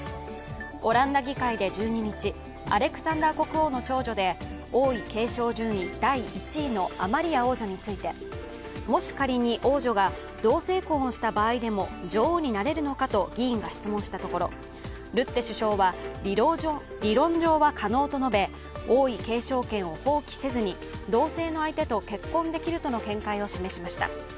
オランダ議会で１２日、アレクサンダー国王の長女で王位継承順位第１位のアマリア王女についてもし、仮に王女が同性婚をした場合でも女王になるのかと議員が質問したところルッテ首相は、理論上は可能と述べ、王位継承権を放棄せずに同性の相手と結婚できるとの見解を示しました。